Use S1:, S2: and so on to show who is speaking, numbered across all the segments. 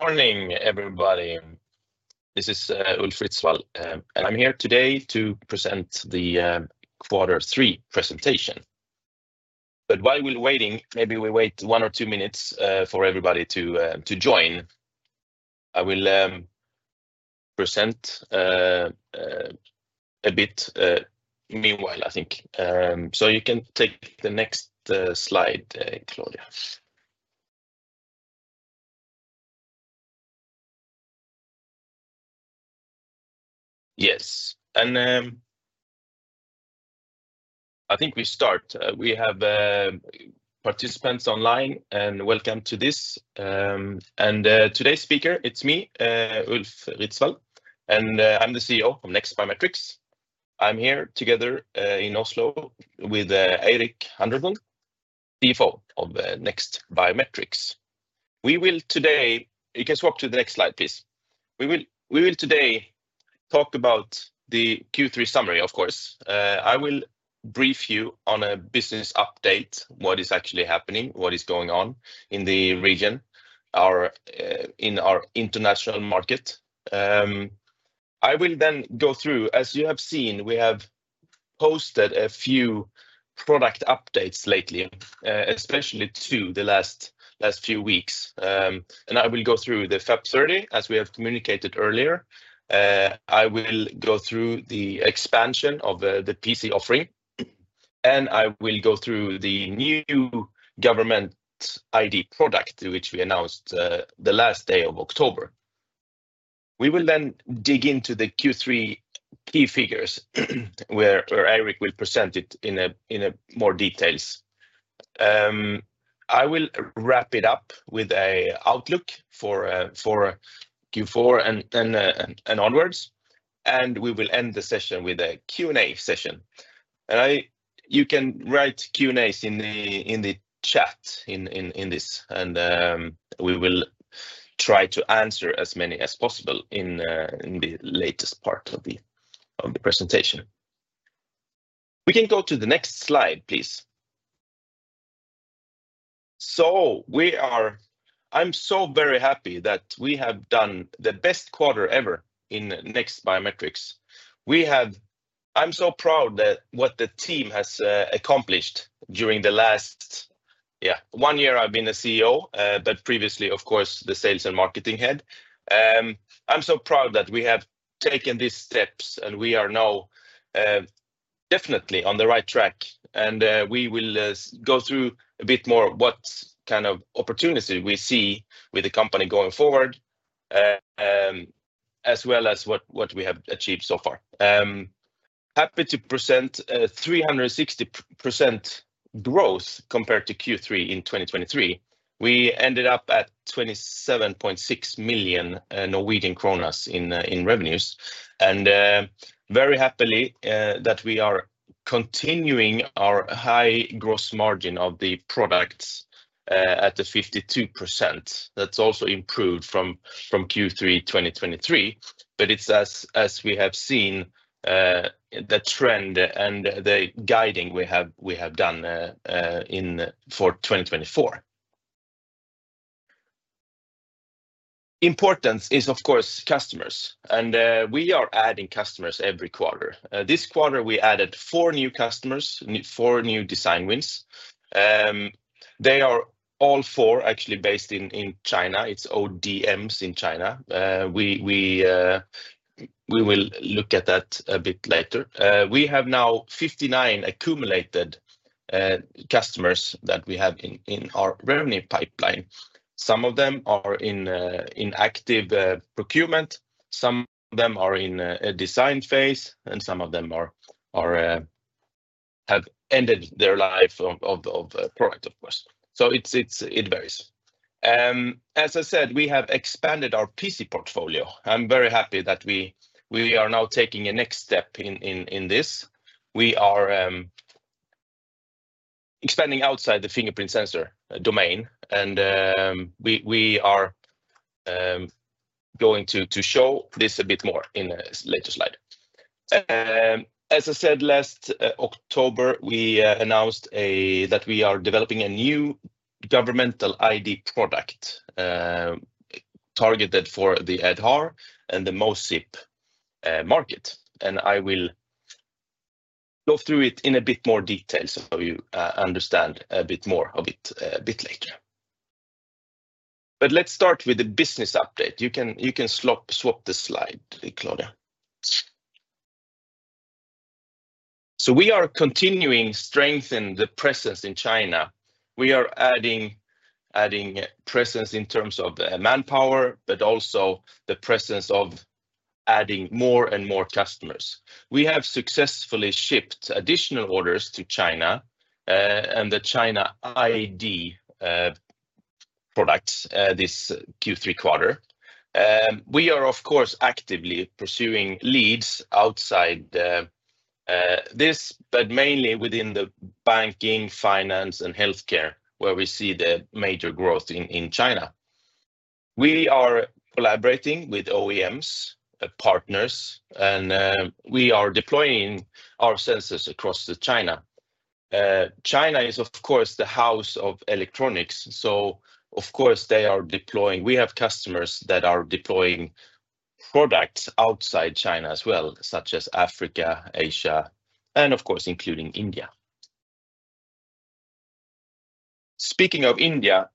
S1: Morning, everybody. This is Ulf Ritsvall, and I'm here today to present the quarter three presentation. But while we're waiting, maybe we wait one or two minutes for everybody to join. I will present a bit meanwhile, I think. So you can take the next slide, Claudia. Yes. And I think we start. We have participants online, and welcome to this. And today's speaker, it's me, Ulf Ritsvall, and I'm the CEO of NEXT Biometrics. I'm here together in Oslo with Eirik Underthun, CFO of NEXT Biometrics. We will today, you can swap to the next slide, please. We will today talk about the Q3 summary, of course. I will brief you on a business update, what is actually happening, what is going on in the region, in our international market. I will then go through, as you have seen, we have posted a few product updates lately, especially the last few weeks. And I will go through the FAP 30, as we have communicated earlier. I will go through the expansion of the PC offering, and I will go through the new government ID product, which we announced the last day of October. We will then dig into the Q3 key figures, where Eirik will present it in more details. I will wrap it up with an outlook for Q4 and onwards, and we will end the session with a Q&A session. And you can write Q&As in the chat in this, and we will try to answer as many as possible in the latest part of the presentation. We can go to the next slide, please. I'm so very happy that we have done the best quarter ever in NEXT Biometrics. I'm so proud of what the team has accomplished during the last, yeah, one year I've been the CEO, but previously, of course, the Sales and Marketing Head. I'm so proud that we have taken these steps, and we are now definitely on the right track. We will go through a bit more what kind of opportunity we see with the company going forward, as well as what we have achieved so far. Happy to present a 360% growth compared to Q3 in 2023. We ended up at 27.6 million Norwegian kroner in revenues. Very happily that we are continuing our high gross margin of the products at 52%. That's also improved from Q3 2023, but it's as we have seen the trend and the guiding we have done for 2024. Importance is, of course, customers, and we are adding customers every quarter. This quarter, we added four new customers, four new design wins. They are all four actually based in China. It's ODMs in China. We will look at that a bit later. We have now 59 accumulated customers that we have in our revenue pipeline. Some of them are in active procurement, some of them are in a design phase, and some of them have ended their life of product, of course. So it varies. As I said, we have expanded our PC portfolio. I'm very happy that we are now taking a next step in this. We are expanding outside the fingerprint sensor domain, and we are going to show this a bit more in a later slide. As I said, last October, we announced that we are developing a new governmental ID product targeted for the Aadhaar and the MOSIP market. And I will go through it in a bit more detail so you understand a bit more of it a bit later. But let's start with the business update. You can swap the slide, Claudia. So we are continuing to strengthen the presence in China. We are adding presence in terms of manpower, but also the presence of adding more and more customers. We have successfully shipped additional orders to China and the China ID products this Q3 quarter. We are, of course, actively pursuing leads outside this, but mainly within the banking, finance, and healthcare, where we see the major growth in China. We are collaborating with OEMs, partners, and we are deploying our sensors across China. China is, of course, the house of electronics, so of course they are deploying. We have customers that are deploying products outside China as well, such as Africa, Asia, and of course including India. Speaking of India,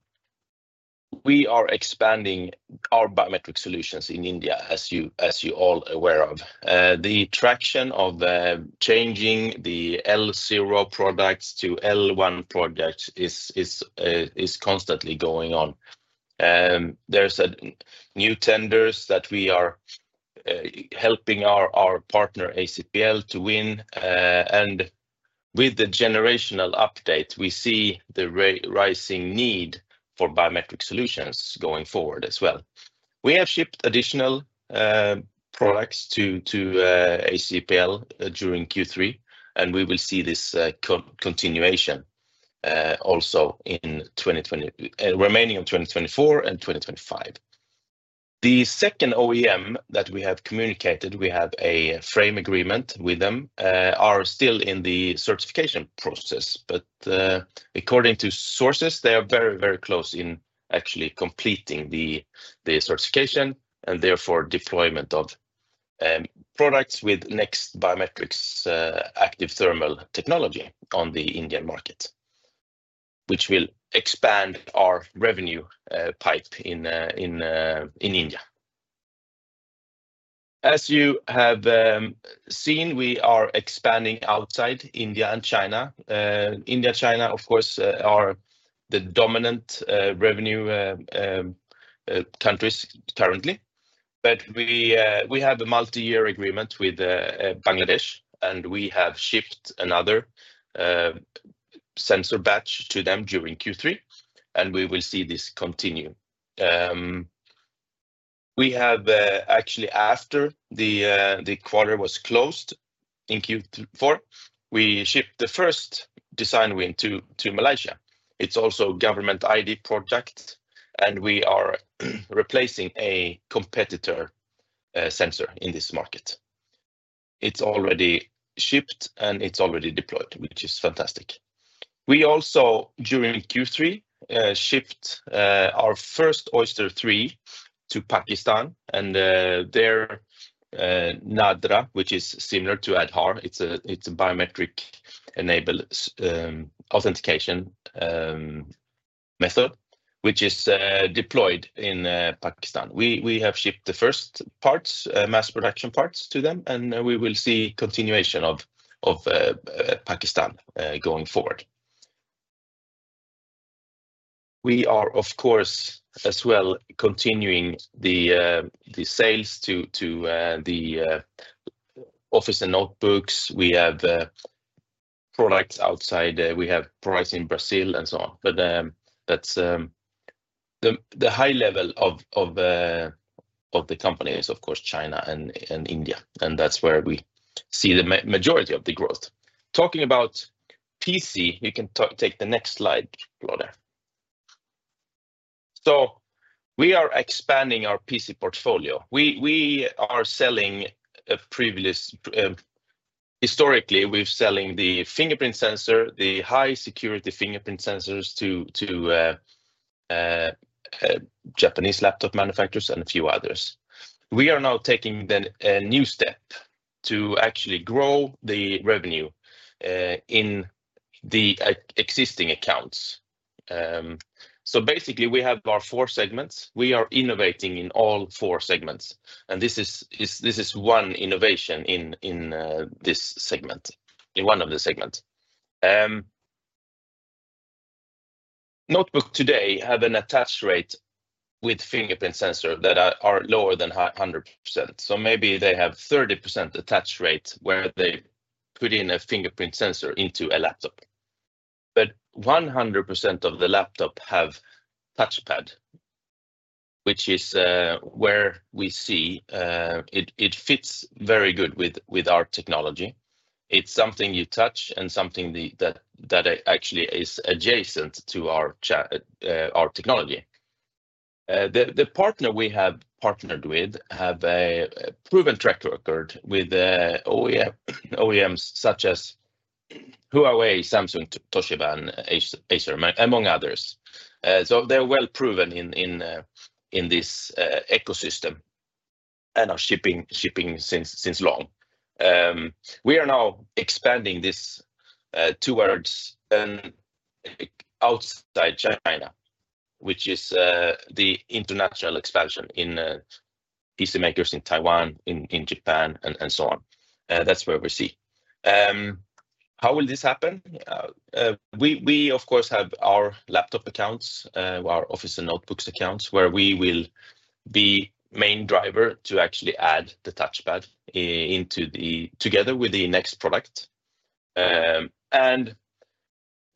S1: we are expanding our biometric solutions in India, as you are all aware of. The traction of changing the L0 products to L1 products is constantly going on. There are new tenders that we are helping our partner, ACPL, to win, and with the generational update, we see the rising need for biometric solutions going forward as well. We have shipped additional products to ACPL during Q3, and we will see this continuation also in remaining of 2024 and 2025. The second OEM that we have communicated, we have a framework agreement with them, are still in the certification process, but according to sources, they are very, very close in actually completing the certification and therefore deployment of products with NEXT Biometrics' Active Thermal technology on the Indian market, which will expand our revenue pipeline in India. As you have seen, we are expanding outside India and China. India and China, of course, are the dominant revenue countries currently, but we have a multi-year agreement with Bangladesh, and we have shipped another sensor batch to them during Q3, and we will see this continue. We have actually, after the quarter was closed in Q4, we shipped the first design win to Malaysia. It's also a government ID project, and we are replacing a competitor sensor in this market. It's already shipped, and it's already deployed, which is fantastic. We also, during Q3, shipped our first Oyster III to Pakistan and their NADRA, which is similar to Aadhaar. It's a biometric-enabled authentication method, which is deployed in Pakistan. We have shipped the first mass production parts to them, and we will see continuation of Pakistan going forward. We are, of course, as well continuing the sales to the OEM and notebooks. We have products outside. We have products in Brazil and so on, but the high level of the company is, of course, China and India, and that's where we see the majority of the growth. Talking about PC, you can take the next slide, Claudia. So we are expanding our PC portfolio. We are selling historically, we're selling the fingerprint sensor, the high-security fingerprint sensors to Japanese laptop manufacturers and a few others. We are now taking a new step to actually grow the revenue in the existing accounts. So basically, we have our four segments. We are innovating in all four segments, and this is one innovation in this segment, in one of the segments. Notebooks today have an attach rate with fingerprint sensors that are lower than 100%. So maybe they have a 30% attach rate where they put in a fingerprint sensor into a laptop. But 100% of the laptops have a touchpad, which is where we see it fits very good with our technology. It's something you touch and something that actually is adjacent to our technology. The partner we have partnered with has a proven track record with OEMs such as Huawei, Samsung, Toshiba, and Acer, among others. So they're well proven in this ecosystem and are shipping since long. We are now expanding this towards outside China, which is the international expansion in PC makers in Taiwan, in Japan, and so on. That's where we see. How will this happen? We, of course, have our laptop accounts, our office and notebooks accounts, where we will be the main driver to actually add the touchpad together with the NEXT product. And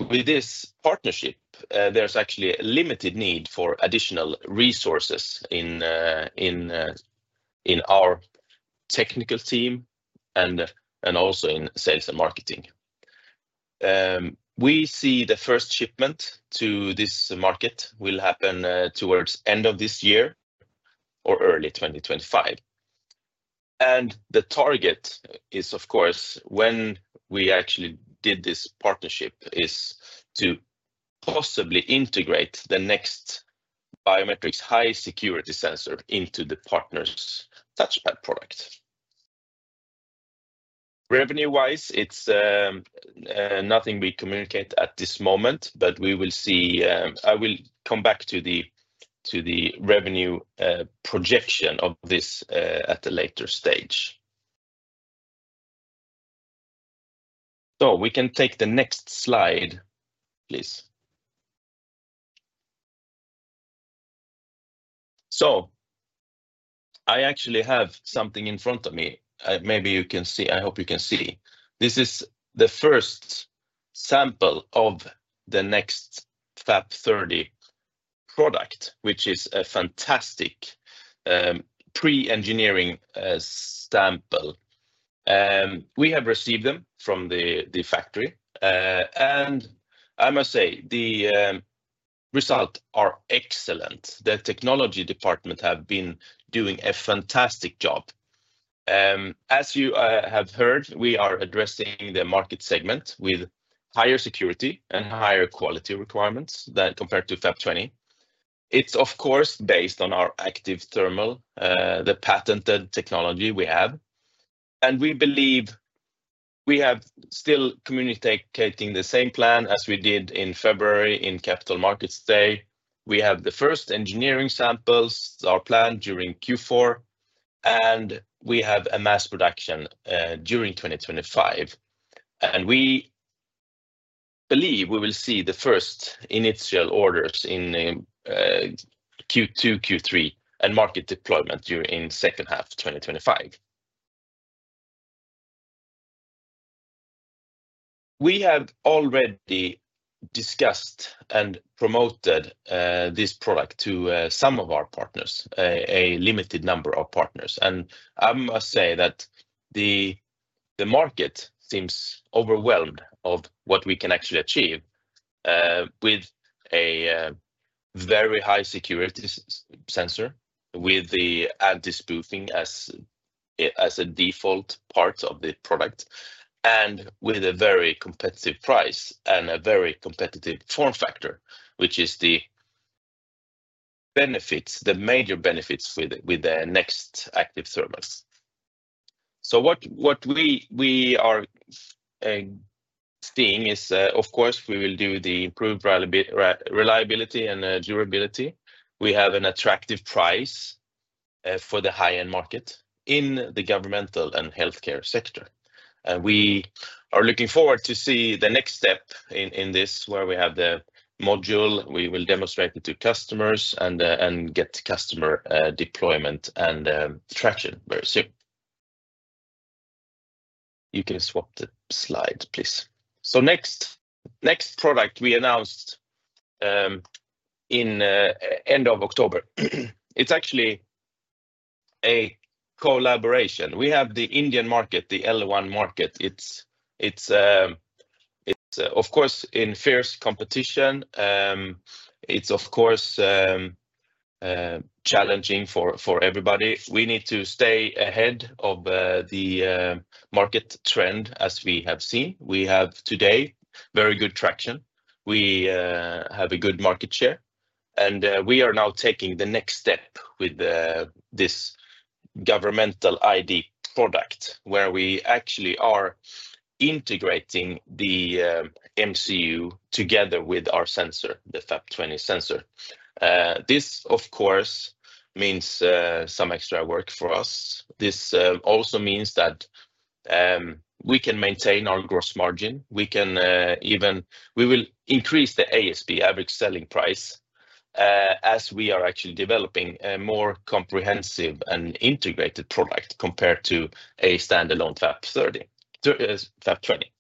S1: with this partnership, there's actually a limited need for additional resources in our technical team and also in sales and marketing. We see the first shipment to this market will happen towards the end of this year or early 2025. And the target is, of course, when we actually did this partnership, is to possibly integrate the NEXT Biometrics high-security sensor into the partner's touchpad product. Revenue-wise, it's nothing we communicate at this moment, but we will see. I will come back to the revenue projection of this at a later stage. So we can take the next slide, please. So I actually have something in front of me. Maybe you can see. I hope you can see. This is the first sample of the next FAP 30 product, which is a fantastic pre-engineering sample. We have received them from the factory, and I must say the results are excellent. The technology department has been doing a fantastic job. As you have heard, we are addressing the market segment with higher security and higher quality requirements compared to FAP 20. It's, of course, based on our active thermal, the patented technology we have. And we believe we have still communicating the same plan as we did in February in Capital Markets Day. We have the first engineering samples, our plan during Q4, and we have a mass production during 2025. We believe we will see the first initial orders in Q2, Q3, and market deployment during the second half of 2025. We have already discussed and promoted this product to some of our partners, a limited number of partners. I must say that the market seems overwhelmed with what we can actually achieve with a very high-security sensor, with the anti-spoofing as a default part of the product, and with a very competitive price and a very competitive form factor, which is the major benefits with the NEXT Active Thermal. What we are seeing is, of course, we will do the improved reliability and durability. We have an attractive price for the high-end market in the governmental and healthcare sector. We are looking forward to seeing the next step in this, where we have the module. We will demonstrate it to customers and get customer deployment and traction very soon. You can swap the slide, please. So next product we announced in the end of October. It's actually a collaboration. We have the Indian market, the L1 market. It's, of course, in fierce competition. It's, of course, challenging for everybody. We need to stay ahead of the market trend, as we have seen. We have today very good traction. We have a good market share. And we are now taking the next step with this governmental ID product, where we actually are integrating the MCU together with our sensor, the FAP 20 sensor. This, of course, means some extra work for us. This also means that we can maintain our gross margin. We will increase the ASP, average selling price, as we are actually developing a more comprehensive and integrated product compared to a standalone FAP 20.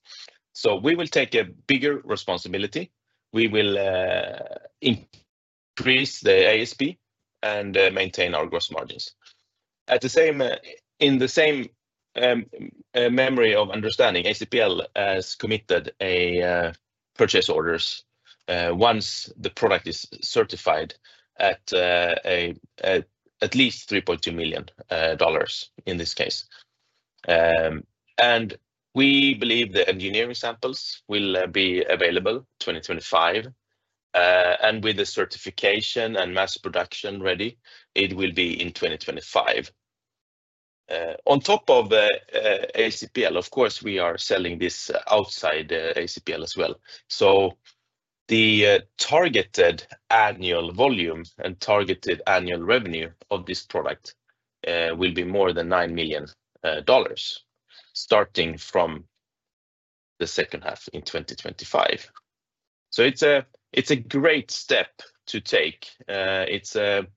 S1: We will take a bigger responsibility. We will increase the ASP and maintain our gross margins. In the same memorandum of understanding, ACPL has committed purchase orders once the product is certified at least NOK 3.2 million in this case. We believe the engineering samples will be available in 2025. With the certification and mass production ready, it will be in 2025. On top of ACPL, of course, we are selling this outside ACPL as well. The targeted annual volume and targeted annual revenue of this product will be more than NOK 9 million starting from the second half in 2025. It's a great step to take. It's a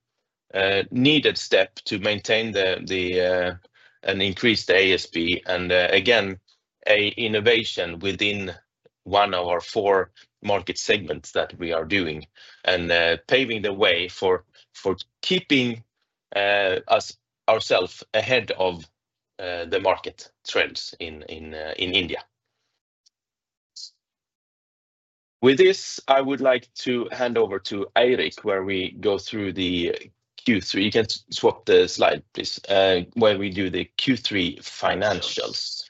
S1: needed step to maintain and increase the ASP and, again, an innovation within one of our four market segments that we are doing and paving the way for keeping ourselves ahead of the market trends in India. With this, I would like to hand over to Eirik, where we go through the Q3. You can swap the slide, please, where we do the Q3 financials.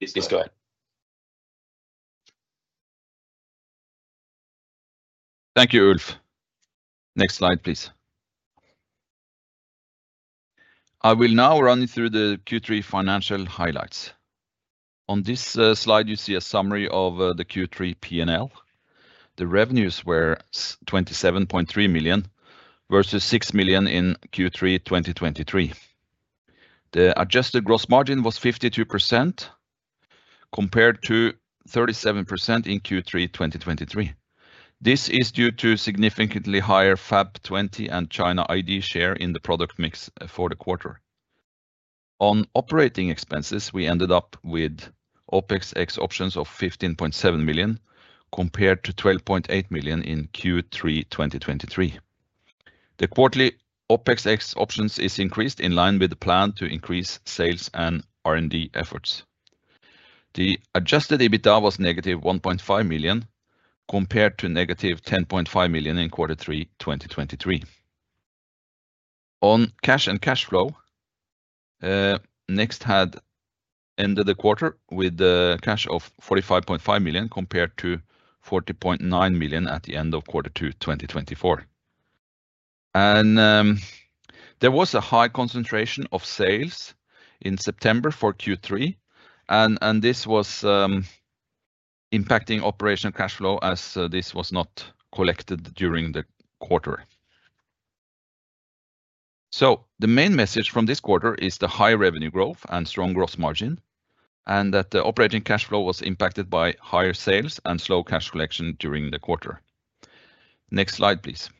S1: Please go ahead.
S2: Thank you, Ulf. Next slide, please. I will now run you through the Q3 financial highlights. On this slide, you see a summary of the Q3 P&L. The revenues were 27.3 million versus 6 million in Q3 2023. The adjusted gross margin was 52% compared to 37% in Q3 2023. This is due to significantly higher FAP 20 and China ID share in the product mix for the quarter. On operating expenses, we ended up with OpEx ex-options of 15.7 million compared to 12.8 million in Q3 2023. The quarterly OpEx ex-options is increased in line with the plan to increase sales and R&D efforts. The adjusted EBITDA was -1.5 million compared to -10.5 million in quarter three, 2023. On cash and cash flow, NEXT had ended the quarter with cash of 45.5 million compared to 40.9 million at the end of quarter two, 2024. And there was a high concentration of sales in September for Q3, and this was impacting operational cash flow as this was not collected during the quarter. So the main message from this quarter is the high revenue growth and strong gross margin, and that the operating cash flow was impacted by higher sales and slow cash collection during the quarter. Next slide, please.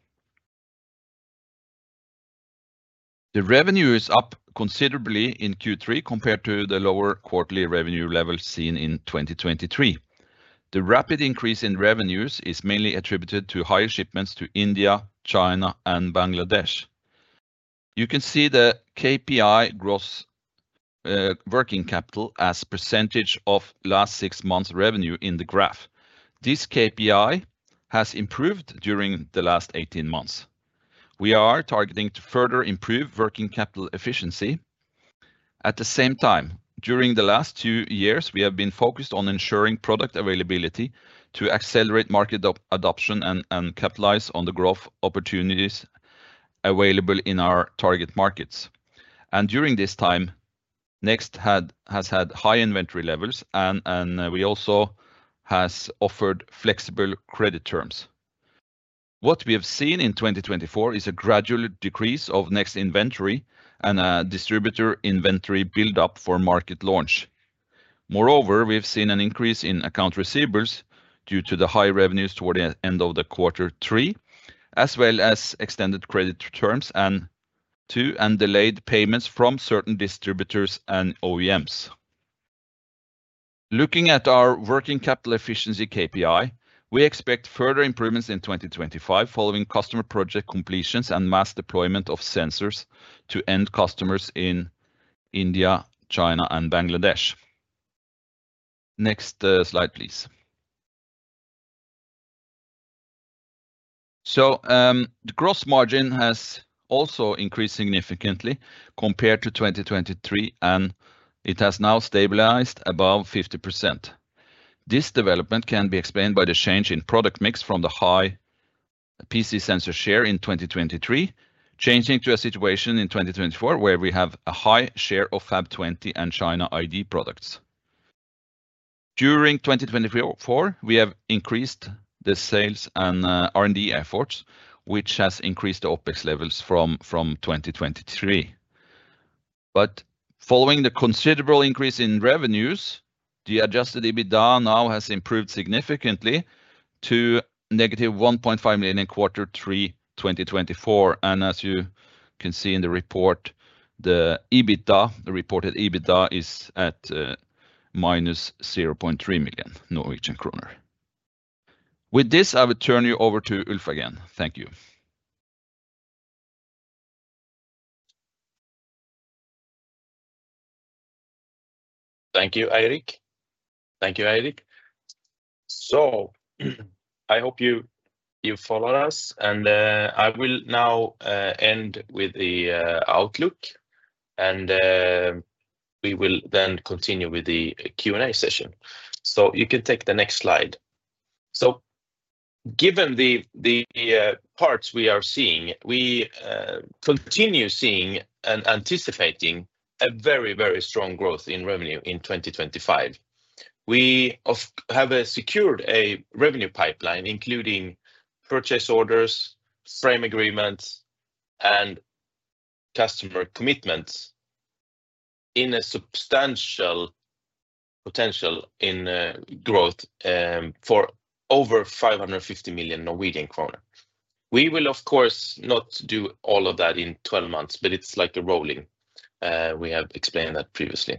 S2: The revenue is up considerably in Q3 compared to the lower quarterly revenue level seen in 2023. The rapid increase in revenues is mainly attributed to higher shipments to India, China, and Bangladesh. You can see the KPI, gross working capital, as a percentage of last six months' revenue in the graph. This KPI has improved during the last 18 months. We are targeting to further improve working capital efficiency. At the same time, during the last two years, we have been focused on ensuring product availability to accelerate market adoption and capitalize on the growth opportunities available in our target markets, and during this time, NEXT has had high inventory levels, and we also have offered flexible credit terms. What we have seen in 2024 is a gradual decrease of NEXT inventory and a distributor inventory build-up for market launch. Moreover, we've seen an increase in accounts receivable due to the high revenues toward the end of quarter three, as well as extended credit terms and delayed payments from certain distributors and OEMs. Looking at our working capital efficiency KPI, we expect further improvements in 2025 following customer project completions and mass deployment of sensors to end customers in India, China, and Bangladesh. Next slide, please. So the gross margin has also increased significantly compared to 2023, and it has now stabilized above 50%. This development can be explained by the change in product mix from the high PC sensor share in 2023 changing to a situation in 2024 where we have a high share of FAP 20 and China ID products. During 2024, we have increased the sales and R&D efforts, which has increased the OpEx levels from 2023. But following the considerable increase in revenues, the adjusted EBITDA now has improved significantly to -1.5 million in quarter three, 2024. And as you can see in the report, the reported EBITDA is at -0.3 million Norwegian kroner. With this, I will turn you over to Ulf again. Thank you.
S1: Thank you, Eirik. Thank you, Eirik. So I hope you followed us, and I will now end with the outlook, and we will then continue with the Q&A session. So you can take the next slide. So given the parts we are seeing, we continue seeing and anticipating a very, very strong growth in revenue in 2025. We have secured a revenue pipeline, including purchase orders, frame agreements, and customer commitments in a substantial potential in growth for over 550 million Norwegian kroner. We will, of course, not do all of that in 12 months, but it's like a rolling. We have explained that previously.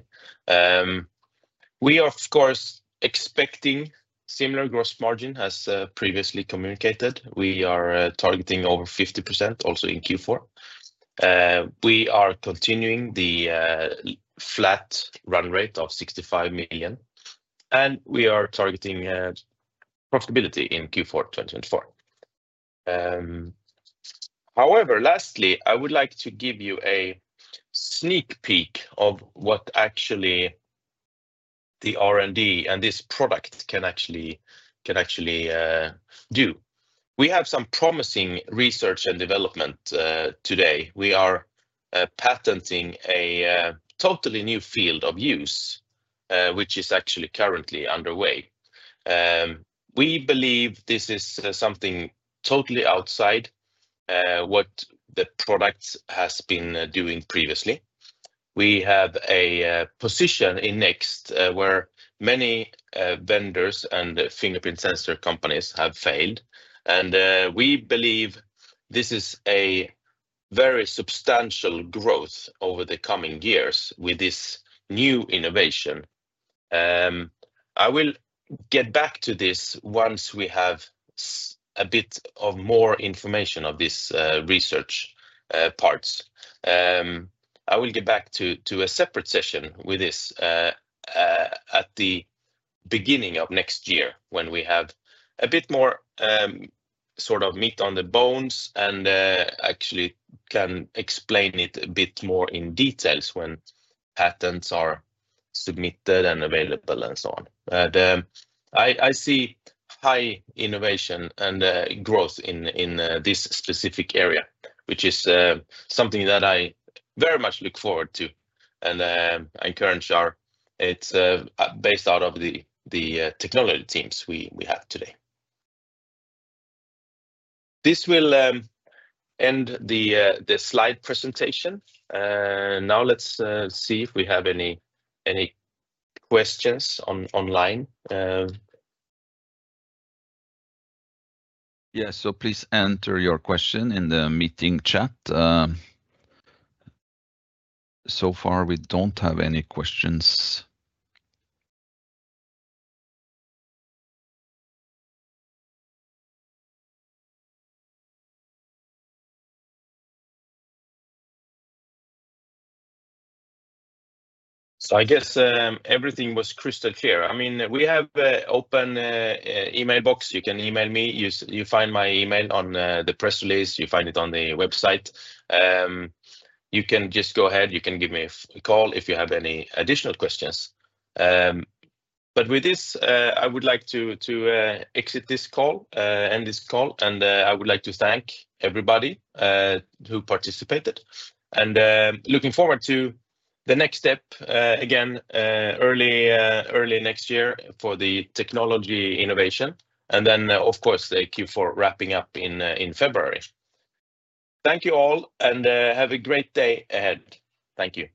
S1: We are, of course, expecting similar gross margin as previously communicated. We are targeting over 50% also in Q4. We are continuing the flat run rate of 65 million, and we are targeting profitability in Q4 2024. However, lastly, I would like to give you a sneak peek of what actually the R&D and this product can actually do. We have some promising research and development today. We are patenting a totally new field of use, which is actually currently underway. We believe this is something totally outside what the product has been doing previously. We have a position in NEXT where many vendors and fingerprint sensor companies have failed, and we believe this is a very substantial growth over the coming years with this new innovation. I will get back to this once we have a bit more information on these research parts. I will get back to a separate session with this at the beginning of next year when we have a bit more sort of meat on the bones and actually can explain it a bit more in detail when patents are submitted and available and so on. I see high innovation and growth in this specific area, which is something that I very much look forward to, and I encourage our R&D-based technology teams we have today. This will end the slide presentation. Now let's see if we have any questions online. Yes, so please enter your question in the meeting chat. So far, we don't have any questions. So I guess everything was crystal clear. I mean, we have an open email box. You can email me. You find my email on the press release. You find it on the website. You can just go ahead. You can give me a call if you have any additional questions. But with this, I would like to exit this call, and I would like to thank everybody who participated. And looking forward to the next step again early next year for the technology innovation, and then, of course, the Q4 wrapping up in February. Thank you all, and have a great day ahead. Thank you.